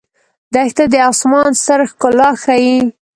دښته د آسمان ستر ښکلا ښيي.